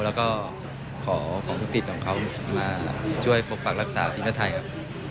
แล้วก็ขอของลูกศิษย์ของเขามาช่วยปกปักรักษาทีมชาติไทยครับ